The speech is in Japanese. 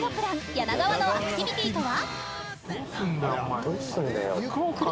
柳川のアクティビティとは？